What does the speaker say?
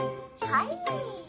はい。